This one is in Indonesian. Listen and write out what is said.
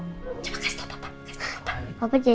coba kasih tau papa kasih tau papa